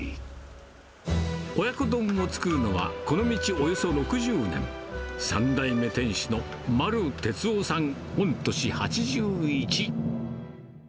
親子丼を作るのは、この道およそ６０年、３代目店主の丸哲夫さん、御年８１。